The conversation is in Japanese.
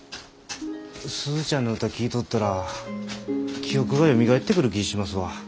鈴ちゃんの歌聴いとったら記憶がよみがえってくる気ぃしますわ。